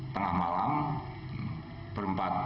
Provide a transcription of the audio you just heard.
tengah malam berempat